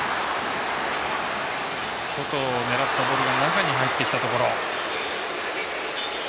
外を狙ったボールが中に入ってきたところ。